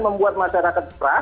membuat masyarakat terat